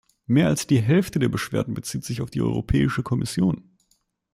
Mehr als die Hälfte der Beschwerden bezieht sich auf die Europäische Kommission.